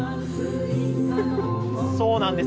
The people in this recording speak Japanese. そうなんです。